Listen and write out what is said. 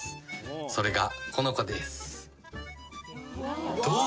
それがこの子です。